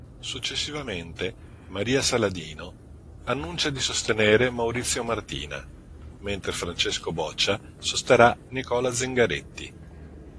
Successivamente, Maria Saladino annuncia di sostenere Maurizio Martina, mentre Francesco Boccia sosterrà Nicola Zingaretti.